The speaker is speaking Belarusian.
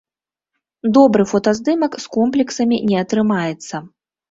Добры фотаздымак з комплексамі не атрымаецца.